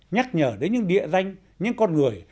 nhắc nhở đến những địa danh những con người